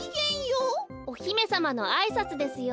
おひめさまのあいさつですよ。